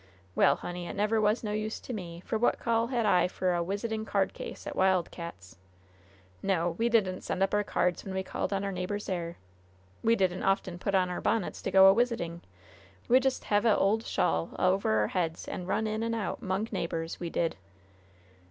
Well, honey, it never was no use to me, for what call had I for a wisitin' cardcase at Wild Cats'? No, we didn't send up our cards when we called on our neighbors there. We didn't often put on our bonnets to go a wisitin'. We just hev a' old shawl over our heads and run in and out 'mong neighbors. We did."